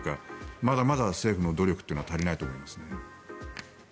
まだまだ政府の努力は足りないと思いますね。